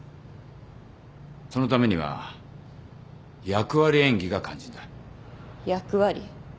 そのためには役割演技が肝心だ。役割？